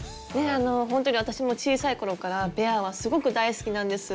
ほんとに私も小さい頃からベアはすごく大好きなんです。